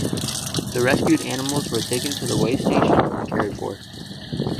The rescued animals were taken to the Waystation and cared for.